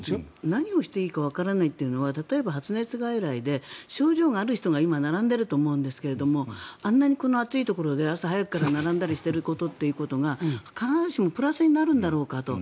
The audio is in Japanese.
何をしていいかわからないというのは例えば発熱外来で症状がある人が今、並んでいると思うんですがあんなにこの暑いところで朝早くから並んでいることが必ずしもプラスになるんだろうかと。